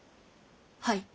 はい。